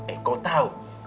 eh kau tahu